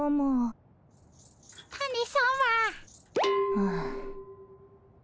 はあ。